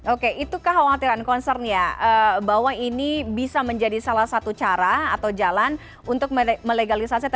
oke itu kekhawatiran concernnya bahwa ini bisa menjadi salah satu cara atau jalan untuk melegalisasi